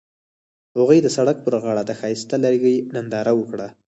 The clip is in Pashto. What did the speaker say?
هغوی د سړک پر غاړه د ښایسته لرګی ننداره وکړه.